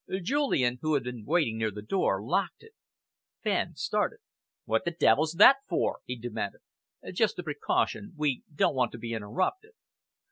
Julian, who had been waiting near the door, locked it. Fenn started. "What the devil's that for?" he demanded. "Just a precaution. We don't want to be interrupted."